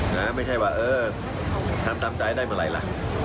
ไม่ใช่ว่าเออทำตามใจได้เมื่อไหร่ล่ะ